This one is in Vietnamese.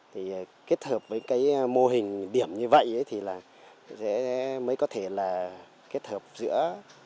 thì kết hợp với cái mô hình điểm như vậy thì là sẽ mới có thể là kết hợp giữa